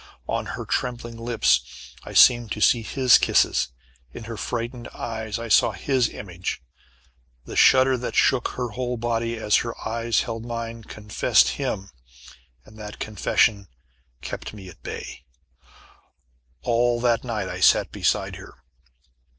On her trembling lips I seemed to see his kisses. In her frightened eyes I saw his image. The shudder that shook her whole body as her eyes held mine, confessed him and that confession kept me at bay. All that night I sat beside her.